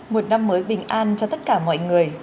một năm mới bình an cho tất cả mọi người